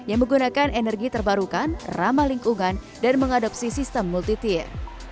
yang menggunakan energi terbarukan ramah lingkungan dan mengadopsi sistem multitir